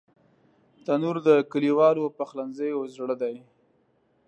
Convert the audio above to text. تنور د کلیوالو پخلنځیو زړه دی